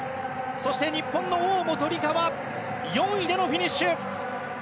そして、日本の大本里佳は４位で二フィニッシュ。